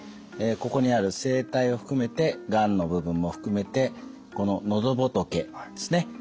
ここにある声帯を含めてがんの部分も含めてこの喉仏ですね